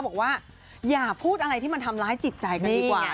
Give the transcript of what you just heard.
บอกว่าอย่าพูดอะไรที่มันทำร้ายจิตใจกันดีกว่า